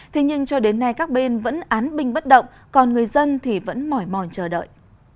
thế nhưng cho đến nay các bên vẫn án binh bất động còn người dân thì vẫn mỏi mòn chờ đợi